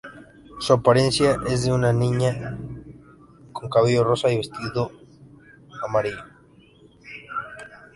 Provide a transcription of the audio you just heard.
Su apariencia es de una niña con cabello rosa y vestido rosa y amarillo.